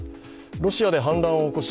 ロシアで反乱を起こし